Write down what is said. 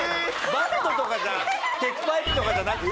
バットとかじゃ鉄パイプとかじゃなくて？